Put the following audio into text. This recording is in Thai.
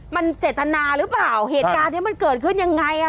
มันเจตนาหรือเปล่าเหตุการณ์เนี้ยมันเกิดขึ้นยังไงอ่ะ